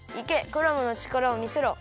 クラムのちからをみせろ。